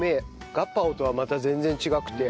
ガパオとはまた全然違くて。